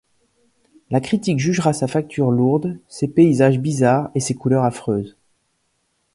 La critique jugera sa facture lourde, ses paysages bizarres et ses couleurs affreuses.